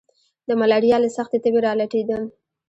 د ملاريا له سختې تبي را لټېدم.